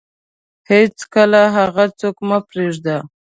هیڅکله هغه څوک مه پرېږده